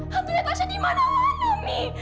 hantunya tasya dimana mana mi